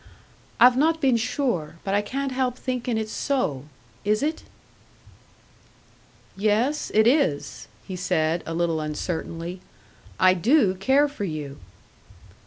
I've not been sure, but I can't help thinkin' it's so. Is it?" "Yes, it is," he said, a little uncertainly. "I do care for you."